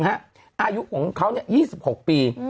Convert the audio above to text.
อายุของเขา๒๖ปี